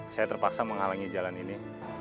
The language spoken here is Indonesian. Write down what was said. saya terpaksa menghalangi jalan ini